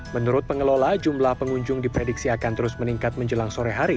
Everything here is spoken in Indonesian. menurut pengelola jumlah pengunjung diprediksi akan terus meningkat menjelang sore hari